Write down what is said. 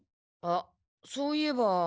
あっそういえば。